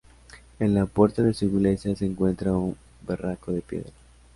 En la puerta de su iglesia se encuentra un verraco de piedra.